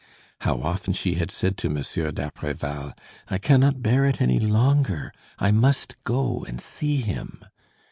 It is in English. How often she had said to M. d'Apreval: "I cannot bear it any longer; I must go and see him."